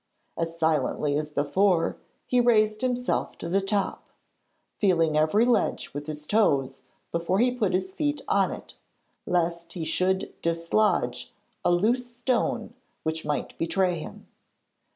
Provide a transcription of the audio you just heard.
As silently as before he raised himself to the top, feeling every ledge with his toes before he put his feet on it, lest he should dislodge a loose stone which might betray him.